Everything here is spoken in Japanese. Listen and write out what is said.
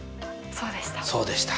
そうでした。